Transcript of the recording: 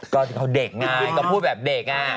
ก็เขาเด็กง่ายปี้บพูดแบบเด็กง่าย